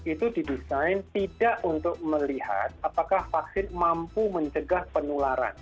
itu didesain tidak untuk melihat apakah vaksin mampu mencegah penularan